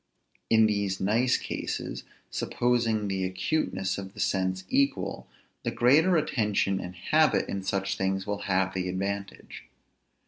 In these nice cases, supposing the acuteness of the sense equal, the greater attention and habit in such things will have the advantage.